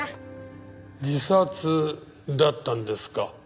自殺だったんですか？